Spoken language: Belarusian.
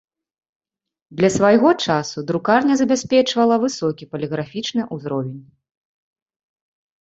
Для свайго часу друкарня забяспечвала высокі паліграфічны ўзровень.